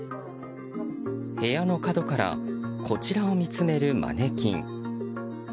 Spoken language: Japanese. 部屋の角からこちらを見つめるマネキン。